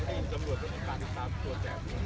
สวัสดีครับคุณผู้ชาย